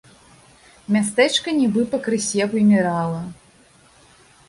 Мястэчка нібы пакрысе вымірала.